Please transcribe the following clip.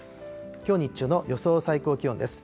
きょう日中の予想最高気温です。